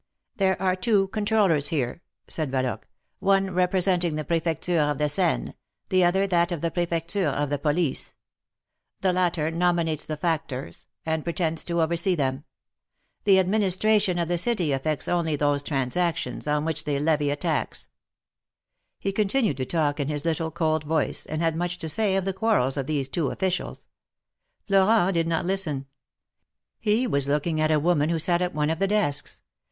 There are two controllers here/' said Yaloque j ^'one representing the Prefecture of the Seine, the other that of the Prefecture of the Police; the latter nominates the factors, and pretends to oversee them. The Administra tion of the City affects only those transactions on which they levy a tax." He continued to talk in his little, cold voice, and had much to say of the quarrels of these two officials. Florent did not listen. He was looking at a woman who sat at one of the desks.